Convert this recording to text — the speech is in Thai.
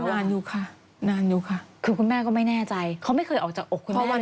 นานอยู่ค่ะนานอยู่ค่ะคือคุณแม่ก็ไม่แน่ใจเขาไม่เคยออกจากอกคุณพ่อ